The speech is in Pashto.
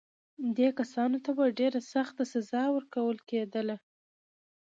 دې کسانو ته به ډېره سخته سزا ورکول کېدله.